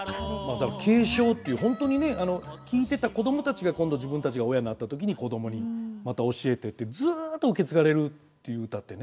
だから継承っていう本当にね聴いてたこどもたちが今度自分たちが親になった時にこどもにまた教えてってずっと受け継がれるっていう歌ってね。